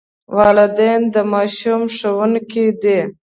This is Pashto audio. والدین د ماشوم ښوونکي دي.